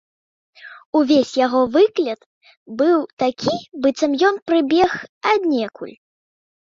Увесь яго выгляд быў такі, быццам ён прыбег аднекуль.